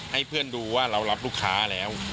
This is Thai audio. ให้เพื่อนดูว่าเรารับลูกค้าแล้ว